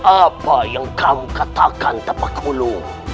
apa yang kamu katakan tapak ulu